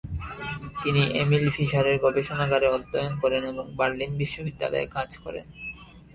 তিনি এমিল ফিশারের গবেষণাগারে অধ্যয়ন করেন এবং বার্লিন বিশ্ববিদ্যালয়ে কাজ করেন।